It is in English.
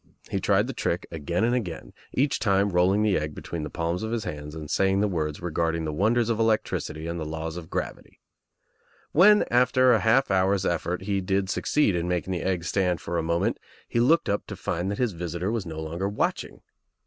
He tried the trick again and again, each time rolling the egg between the palms of his hands and saying the words regarding the wonders of electricity and the laws of gravity. When after a half hour's ef fort he did succeed in making the egg stand for a L moment he looked up to find that his visitor was no 60 THE TRIUMPH OF THE EGG longer watching.